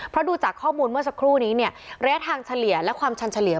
เพราะดูจากข้อมูลเมื่อสักครู่นี้เนี่ยระยะทางเฉลี่ยและความชันเฉลี่ย